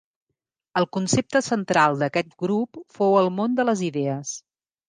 El concepte central d'aquest grup fou el món de les idees.